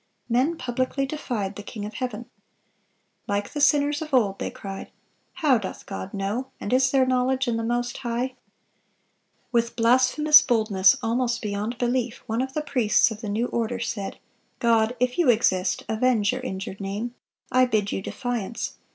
Men publicly defied the King of heaven. Like the sinners of old, they cried, "How doth God know? and is there knowledge in the Most High?"(400) With blasphemous boldness almost beyond belief, one of the priests of the new order said: "God, if You exist, avenge Your injured name. I bid You defiance!